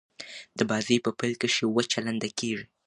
د بازي په پیل کښي وچه لنده کیږي.